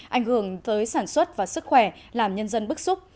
ảnh hưởng tới sản xuất và sức khỏe làm nhân dân bức xúc